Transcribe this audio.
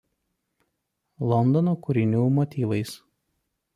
Londono kūrinių motyvais.